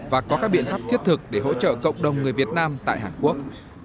và có các biện pháp thiết thực để hỗ trợ cộng đồng người việt nam tại hàn quốc